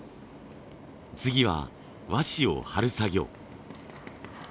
次は和紙を貼る作業。